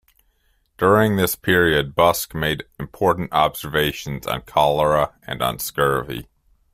During this period Busk made important observations on cholera and on scurvy.